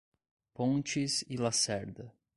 Pontes e Lacerda